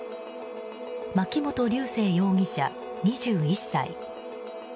槇本龍成容疑者、２１歳。